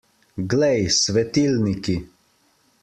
Glej, svetilniki!